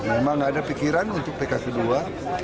memang ada pikiran untuk pekan kedua